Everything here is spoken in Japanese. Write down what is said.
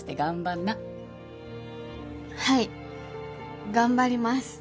はい頑張ります。